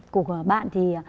của bạn thì